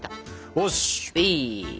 よし！